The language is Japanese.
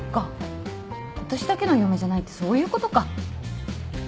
私だけの嫁じゃないってそういうことか。